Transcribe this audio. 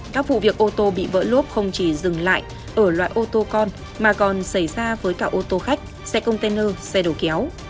các vụ việc ô tô bị vỡ luốc không chỉ dừng lại ở loại ô tô con mà còn xảy ra với cả ô tô khách xe container xe đầu kéo